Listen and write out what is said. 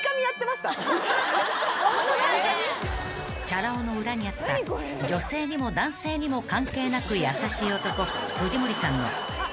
［チャラ男の裏にあった女性にも男性にも関係なく優しい男］